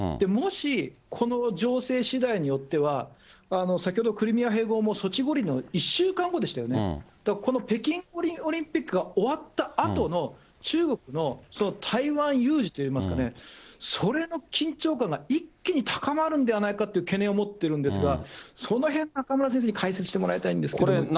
もしこの情勢しだいによっては、先ほどクリミア併合もソチ五輪の１週間後でしたよね、だからこの北京オリンピックが終わったあとの、中国の台湾有事といいますかね、それの緊張感が一気に高まるんではないかという懸念を持っているんですが、そのへん中村先生に解説してもらいたいんですけれども。